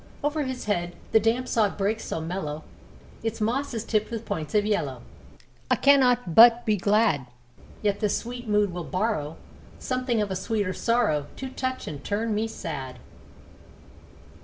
Over his head The damp sod breaks so mellow, Its mosses tipped with points of yellow, I cannot but be glad; Yet this sweet mood will borrow Something of a sweeter sorrow, To touch and turn me sad.